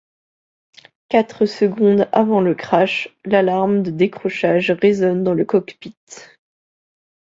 Quatre secondes avant le crash, l'alarme de décrochage résonne dans le cockpit.